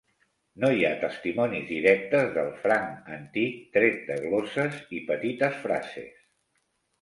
No hi ha testimonis directes del franc antic tret de glosses i petites frases.